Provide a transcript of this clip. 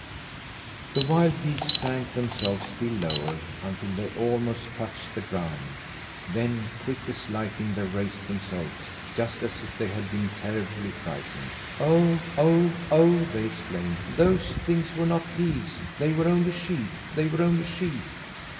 The wild geese sank themselves still lower until they almost touched the ground then, quick as lightning, they raised themselves, just as if they'd been terribly frightened. "Oh, oh, oh!" they exclaimed. "Those things were not geese. They were only sheep, they were only sheep."